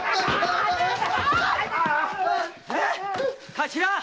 頭！